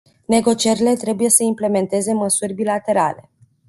Negocierile trebuie să implementeze măsuri bilaterale.